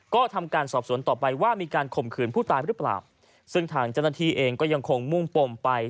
ก็ทำการสอบสวนต่อไปว่ามีการข่มขืนผู้ตายหรือเปล่าซึ่งทางเจ้าหน้าที่เองก็ยังคงมุ่งปมไป